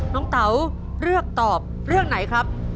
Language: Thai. เตาเลือกตอบเรื่องไหนครับ